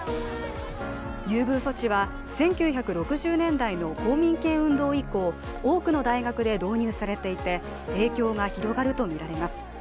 優遇措置は１９６０年代の公民権運動以降、多くの大学で導入されていて影響が広がるとみられます。